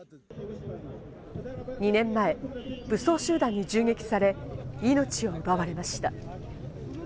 ２年前、武装集団に銃撃され、命を奪われました。